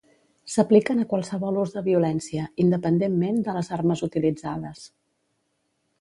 S'apliquen a qualsevol ús de violència, independentment de les armes utilitzades.